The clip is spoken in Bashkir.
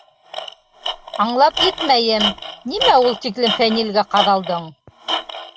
— Аңлап етмәйем, нимә ул тиклем Фәнилгә ҡаҙалдың.